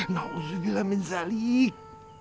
nauzubillah min saliq